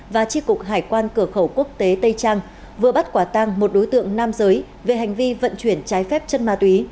và tri cục hải quan cửa khẩu quốc tế tây trang vừa bắt quả tăng một đối tượng nam giới về hành vi vận chuyển trái phép chất ma túy